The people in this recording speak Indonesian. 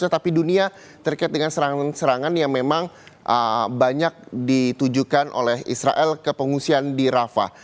tetapi dunia terkait dengan serangan serangan yang memang banyak ditujukan oleh israel ke pengungsian di rafah